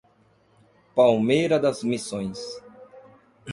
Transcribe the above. Palmeira das Missões